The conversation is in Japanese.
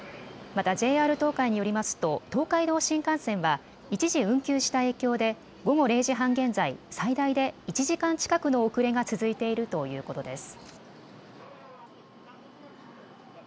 またＪＲ東海によりますと東海道新幹線は一時運休した影響で午後０時半現在、最大で１時間近くの遅れが続いているということです。